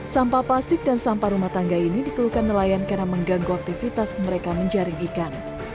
sampah plastik dan sampah rumah tangga ini dikeluhkan nelayan karena mengganggu aktivitas mereka menjaring ikan